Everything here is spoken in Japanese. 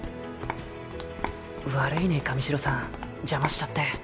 悪いね神代さん邪魔しちゃって。